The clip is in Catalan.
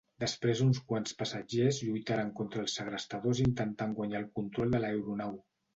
Després uns quants passatgers lluitaren contra els segrestadors intentant guanyar el control de l'aeronau.